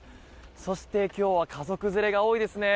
そして今日は家族連れが多いですね。